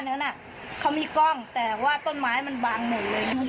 นั้นเขามีกล้องแต่ว่าต้นไม้มันบังหมดเลย